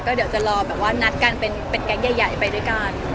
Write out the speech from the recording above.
ก็เดี๋ยวจะรอแบบว่านัดกันเป็นเป็นแก๊กใหญ่ใหญ่ไปด้วยกัน